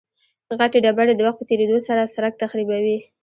غټې ډبرې د وخت په تېرېدو سره سرک تخریبوي